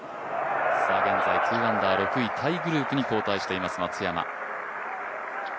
現在、２アンダー６位タイグループに位置しています、松山。